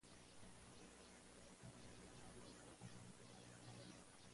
Fue enterrada en Basílica de Saint-Denis, lugar de entierro tradicional de los borbones.